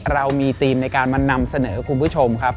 เรามีธีมในการมานำเสนอคุณผู้ชมครับ